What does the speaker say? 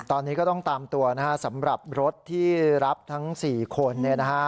ตอนนี้ก็ต้องตามตัวนะฮะสำหรับรถที่รับทั้ง๔คนเนี่ยนะฮะ